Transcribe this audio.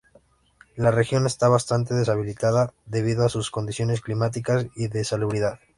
La región está bastante deshabitada, debido a sus condiciones climáticas y de salubridad.